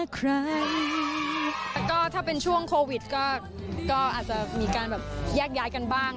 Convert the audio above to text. แต่ก็ถ้าเป็นช่วงโควิดก็อาจจะมีการแบบแยกย้ายกันบ้าง